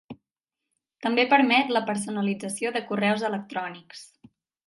També permet la personalització de correus electrònics.